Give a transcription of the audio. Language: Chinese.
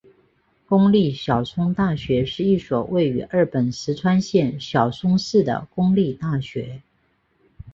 公立小松大学是一所位于日本石川县小松市的公立大学。